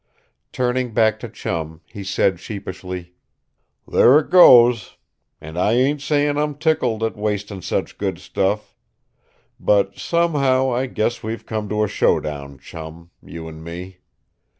Turning back to Chum, he said sheepishly: "There it goes. An' I ain't sayin' I'm tickled at wastin' such good stuff. But somehow I guess we've come to a showdown, Chum; you an' me.